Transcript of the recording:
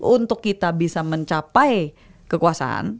untuk kita bisa mencapai kekuasaan